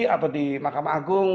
atau di mahkamah agung